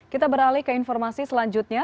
kita beralih ke informasi selanjutnya